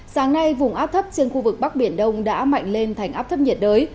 sáng nay vùng áp thấp trên khu vực bắc biển đông đã mạnh lên thành áp thấp nhiệt đới